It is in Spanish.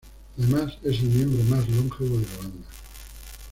Además es el miembro más longevo de la banda.